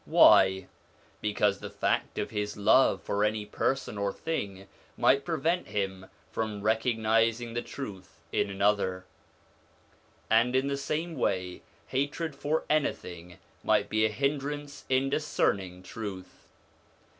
Why? because the fact of his love for any person or thing might prevent him from recognising the truth in another, and in the same way, hatred for anything might be a hindrance in discerning truth.